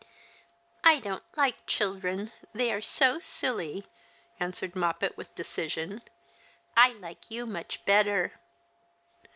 " I don't like children. They are so silly," answered Moppet, with decision. " I like you much better."